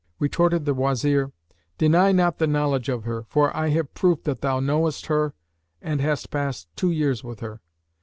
Retorted the Wazir, "Deny not the knowledge of her, for I have proof that thou knowest her and hast passed two years with her."